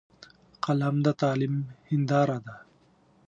قلم د تعلیم هنداره ده